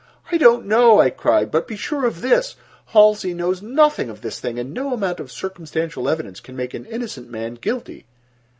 "I do not know," I cried, "but be sure of this: Halsey knows nothing of this thing, and no amount of circumstantial evidence can make an innocent man guilty."